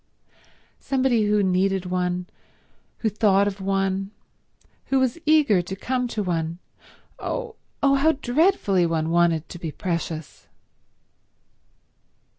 Somebody who needed one, who thought of one, who was eager to come to one—oh, oh how dreadfully one wanted to be precious!